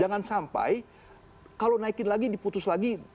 jangan sampai kalau naikin lagi diputus lagi